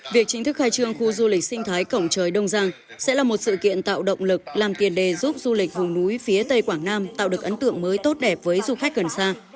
việc chính thức khai trương khu du lịch sinh thái cổng trời đông giang sẽ là một sự kiện tạo động lực làm tiền đề giúp du lịch vùng núi phía tây quảng nam tạo được ấn tượng mới tốt đẹp với du khách gần xa